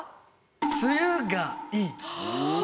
梅雨がいい。